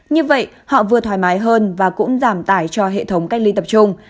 như vậy họ vừa thoải mái hơn và cũng giảm tải cho hệ thống cách ly tập trung